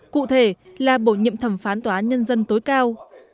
cụ thể là bổ nhiệm thẩm phán tòa án nhân dân tối cao